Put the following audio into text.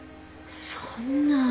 そんな